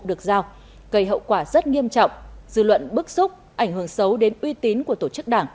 được giao gây hậu quả rất nghiêm trọng dư luận bức xúc ảnh hưởng xấu đến uy tín của tổ chức đảng